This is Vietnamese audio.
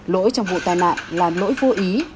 lỗi trong vụ tai nạn là lỗi vô ý